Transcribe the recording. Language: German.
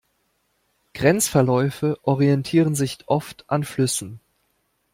Grenzverläufe orientieren sich oft an Flüssen.